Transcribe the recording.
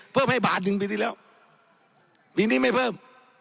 เพิ่มให้บาทหนึ่งปีที่แล้วปีนี้ไม่เพิ่ม